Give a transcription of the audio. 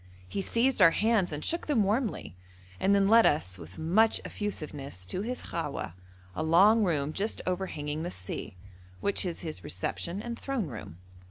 He seized our hands and shook them warmly, and then led us with much effusiveness to his khawah, a long room just overhanging the sea, which is his reception and throne room.